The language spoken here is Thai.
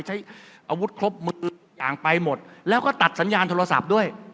ใช้อาวุธครบมืออย่างไปหมดแล้วก็ตัดสัญญาณโทรศัพท์ด้วย